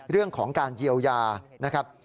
เรื่องของการเยียวยานะครับ